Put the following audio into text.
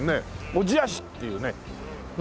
「小千谷市！」っていうねうん。